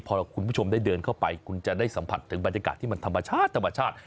พอคุณผู้ชมได้เดินเข้าไปคุณจะได้สัมผัสถึงบรรยากาศที่มันธรรมชาติธรรมชาติ